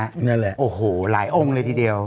นั่นแหละโอ้โหหลายองค์เลยทีเดียว